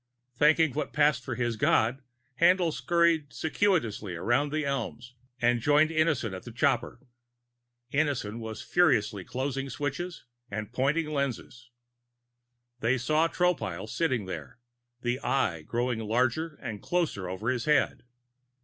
Thanking what passed for his God, Haendl scuttled circuitously around the elms and joined Innison at the copter. Innison was furiously closing switches and pointing lenses. They saw Tropile sitting there, the Eye growing larger and closer over his head.